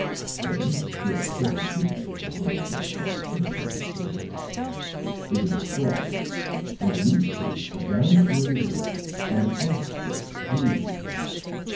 Then here are several duplicates of one which I saw the first time we came here. It is a cross, and in each case the down stroke is red and the cross stroke blue.